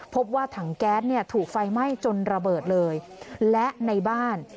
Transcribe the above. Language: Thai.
พบว่าถังแก๊สเนี่ยถูกไฟไหม้จนระเบิดเลยและในบ้าน